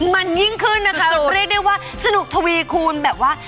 มันยิ่งขึ้นนะคะเรียกได้ว่าสนุกทวีคูณแบบว่า